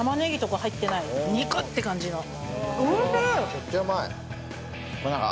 めっちゃうまい。